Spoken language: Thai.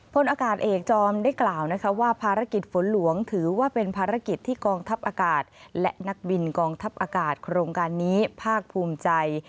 พลอากาศเอกจอมได้กล่าวนะคะว่าภารกิจฝนหลวงถือว่าเป็นภารกิจที่กองทัพอากาศและนักบินกองทัพอากาศโครงการนี้ภาคภูมิใจ